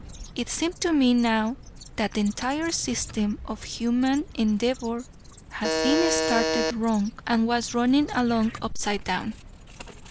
It seemed to me now that the entire system of human endeavor had been started wrong and was running along upside down.